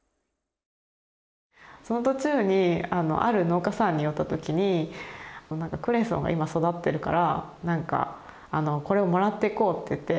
その途中にある農家さんに寄ったときにクレソンが今育ってるからこれをもらっていこうって言って。